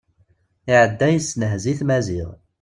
Iɛedda yessenhez-it Maziɣ.